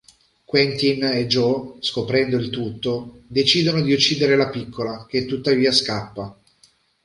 Quentin e Joe, scoprendo il tutto, decidono di uccidere la piccola, che tuttavia scappa.